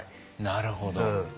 なるほど。